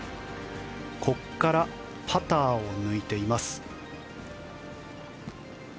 ここからパターを抜いています。